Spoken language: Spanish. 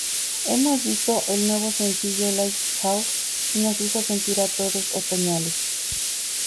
Hemos visto el nuevo sencillo Lighthouse y nos hizo sentir a todos otoñales.